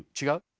違う？